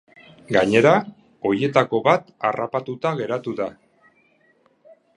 Gainera, horietako bat harrapatuta geratu da.